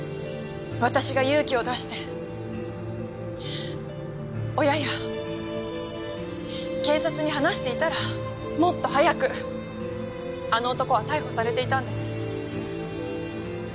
私が勇気を出して親や警察に話していたらもっと早くあの男は逮捕されていたんです。